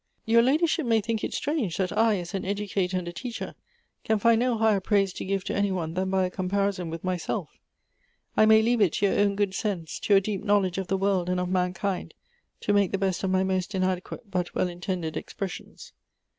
Your ladyship may think it strange that I, as an educator and a teacher, can find no higher praise to give to any one than by a comparison with myself I may leave it to your own good sense, to your deep knowledge of the world and of mankind, to make the best of my most inadequate, but well intended expres sions.